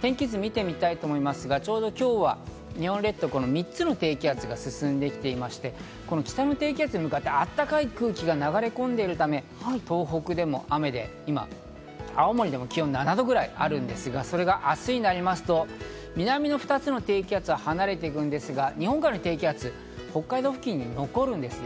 天気図を見てみたいと思いますが、ちょうど今日は日本列島、３つの低気圧が進んで来ていまして、北の低気圧に向かって、あったかい空気が流れ込んでいるため、東北でも雨で、今、青森でも気温７度くらいあるんですが、それが明日になりますと、南の２つの低気圧は離れていくんですが、日本海の低気圧が北海道付近に残るんですね。